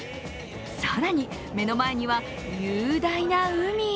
更に目の前には雄大な海。